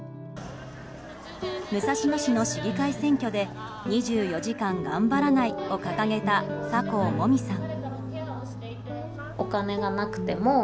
武蔵野市の市議会選挙で２４時間頑張らないを掲げた酒向萌実さん。